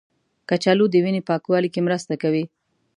کچالو د وینې پاکوالي کې مرسته کوي.